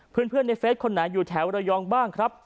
เพื่อนในเฟสคนไหนอยู่แถวระยองบ้างครับ